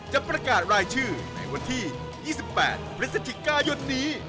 จะประกาศรายชื่อในวันที่๒๘พฤศจิกายนนี้